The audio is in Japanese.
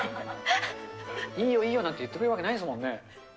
いいよいいよなんて言ってくれるわけないですもんね。